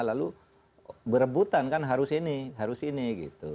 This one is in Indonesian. lalu berebutan kan harus ini harus ini gitu